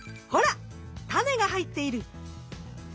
タネが入っている！